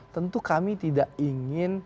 tentu kami tidak ingin